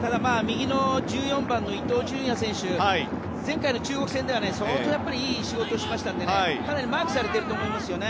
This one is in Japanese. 右の１４番の伊東純也選手前回の中国戦では相当いい仕事をしましたのでかなりマークされていると思います。